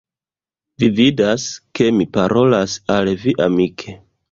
Vi vidas, ke mi parolas al vi amike.